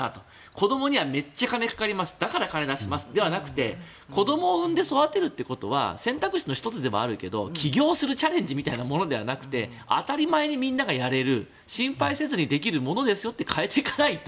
子供にはめっちゃ金かかりますだから金出しますではなくて子供を産んで育てるということは選択肢の１つでもあるけど起業するチャレンジみたいなものではなくて当たり前にみんながやれる心配せずにやれるものに変えていかないと。